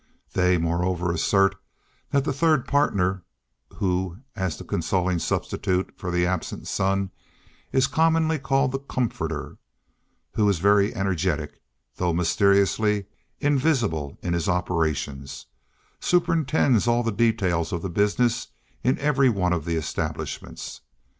They, moreover, assert that the third partner, who as the consoling substitute for the absent Son is commonly called the Comforter, and who is very energetic, though mysteriously invisible in his operations, superintends all the details of the business in every one of the establishments.